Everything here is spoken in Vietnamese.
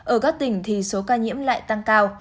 ở các tỉnh thì số ca nhiễm lại tăng cao